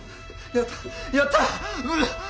やったやったウッ。